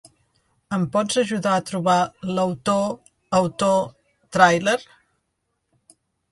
Em pots ajudar a trobar l'autor! Autor! Tràiler?